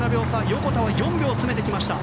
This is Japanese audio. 横田は４秒詰めてきました。